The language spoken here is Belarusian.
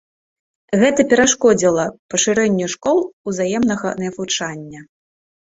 Гэта перашкодзіла пашырэнню школ узаемнага навучання.